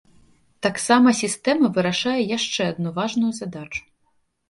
Таксама сістэма вырашае яшчэ адну важную задачу.